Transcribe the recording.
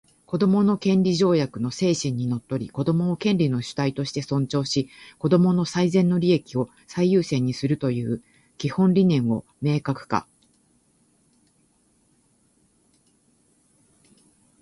「子どもの権利条約」の精神にのっとり、子供を権利の主体として尊重し、子供の最善の利益を最優先にするという基本理念を明確化